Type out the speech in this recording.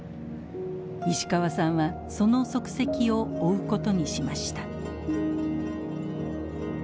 石川さんはその足跡を追うことにしました。